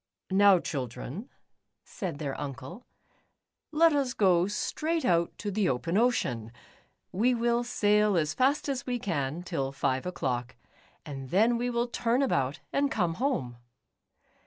"Now, children," said their uncle, "let us go straight out to the open ocean. We will sail as fast as we can, till five o'clock, and then we will turn about and come home."